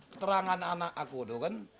keterangan anak aku itu kan